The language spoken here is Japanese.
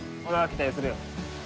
これは期待するよ。